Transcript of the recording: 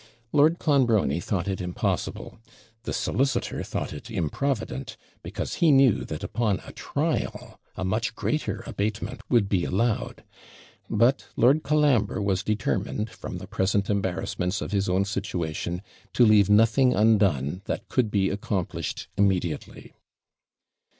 Lord Clonbrony thought it impossible; the solicitor thought it improvident, because he knew that upon a trial a much greater abatement would be allowed; but Lord Colambre was determined, from the present embarrassments of his own situation, to leave nothing undone that could be accomplished immediately.